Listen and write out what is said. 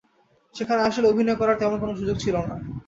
সেখানে আসলে অভিনয় করার তেমন কোনো সুযোগ ছিল না।